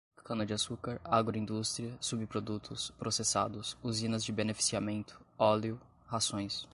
cana-de-açúcar, agroindústria, subprodutos, processados, usinas de beneficiamento, óleo, rações